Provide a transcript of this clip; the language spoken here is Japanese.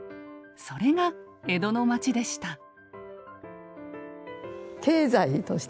それが江戸の街でした。